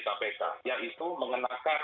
kpk yaitu mengenakan